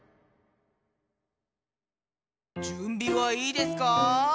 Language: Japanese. じゅんびはいいですか？